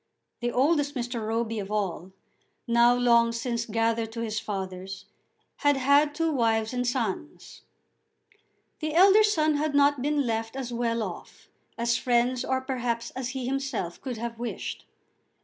The oldest Mr. Roby of all, now long since gathered to his fathers, had had two wives and two sons. The elder son had not been left as well off as friends, or perhaps as he himself, could have wished.